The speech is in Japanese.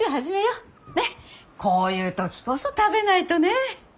こういう時こそ食べないとね。